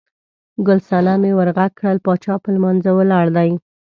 ګل صنمې ور غږ کړل، باچا په لمانځه ولاړ دی.